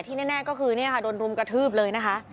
ที่แน่ก็คือนะคะโดนร่มกระทืบเลยนะคะ